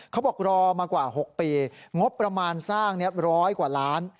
เขาบอกรอมากว่า๖ปีงบประมาณสร้างร้อยกว่าล้าน